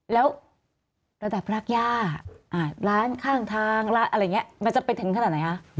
แล้วระดับพรากย่าร้านข้างทางร้านอะไรอย่างนี้มันจะไปถึงขนาดไหนคะ